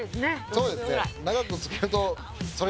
そうですね